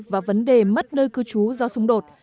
và vấn đề mất nơi cư trú do xung đột